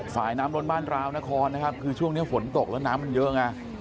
ฝ่ายน้ำล้นบ้านราวนครนะครับคือช่วงนี้ฝนตกแล้วน้ำมันเยอะไง